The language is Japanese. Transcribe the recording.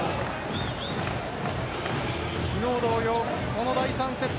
昨日同様、この第３セット